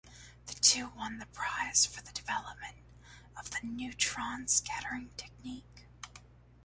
The two won the prize for the development of the neutron scattering technique.